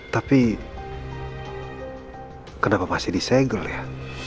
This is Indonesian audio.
tapi kenapa masih di segel ya